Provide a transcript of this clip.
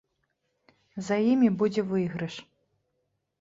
За імі будзе выйгрыш.